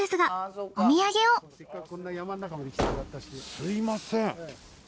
すみません。